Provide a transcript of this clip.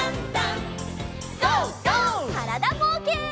からだぼうけん。